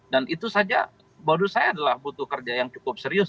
dan itu saja menurut saya adalah butuh kerja yang cukup serius